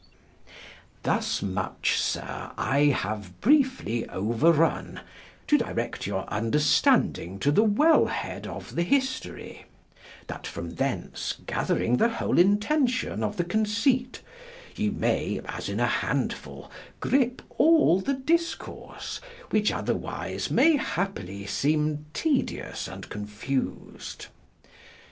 Thus much, Sir, I have briefly overronne, to direct your understanding to the wel head of the history, that from thence gathering the whole intention of the conceit, ye may, as in a handfull, gripe al the discourse, which otherwise may happily seeme tedious and confused.